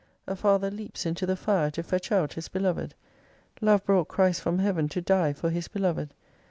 A father leaps into the fire to fetch out his beloved. Love brought Christ from Heaven to die for His beloved.